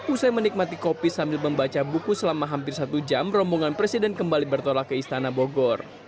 usai menikmati kopi sambil membaca buku selama hampir satu jam rombongan presiden kembali bertolak ke istana bogor